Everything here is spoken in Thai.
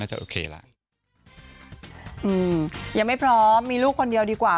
ยังไม่พร้อมมีลูกคนเดียวดีกว่า